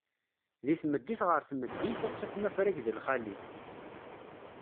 Deg tmeddit ɣer tmeddit, ad tafem afrag d lxali.